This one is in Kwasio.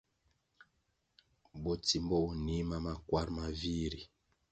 Botsimbo bo nih ma makwar ma vih ri.